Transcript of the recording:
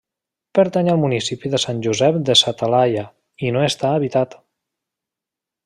Pertany al municipi de Sant Josep de sa Talaia i no està habitat.